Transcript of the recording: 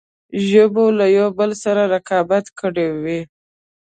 ژبو له یوه بل سره رقابت کړی وي.